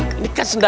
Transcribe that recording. kan juga heta